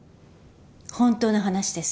本当の話です。